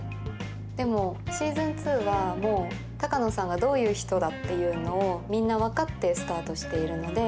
でもシーズン２はもう鷹野さんがどういう人だっていうのをみんな分かってスタートしているので。